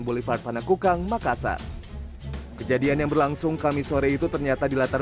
bolivar panakukang makassar kejadian yang berlangsung kamis sore itu ternyata di latar